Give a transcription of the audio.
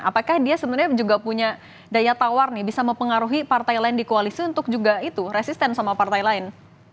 apakah dia sebenarnya juga punya daya tawar nih bisa mempengaruhi partai lain di koalisi untuk juga itu resisten sama partai lain